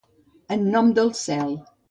En nom del cel.